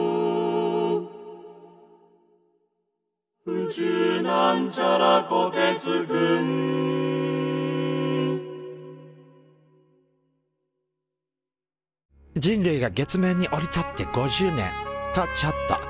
「宇宙」人類が月面に降り立って５０年。とちょっと！